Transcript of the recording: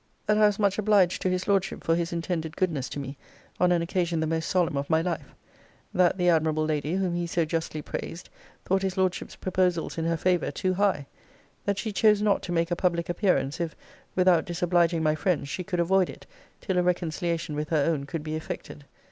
'That I was much obliged to his Lordship for his intended goodness to me on an occasion the most solemn of my life. That the admirable Lady, whom he so justly praised, thought his Lordship's proposals in her favour too high. That she chose not to make a public appearance, if, without disobliging my friends, she could avoid it, till a reconciliation with her own could be effected.